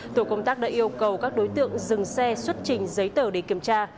tổ công tác đã yêu cầu các đối tượng dừng xe xuất trình giấy tờ để kiểm tra